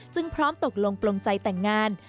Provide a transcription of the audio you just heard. พร้อมตกลงปลงใจแต่งงาน